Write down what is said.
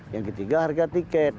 yang ketiga harga tiket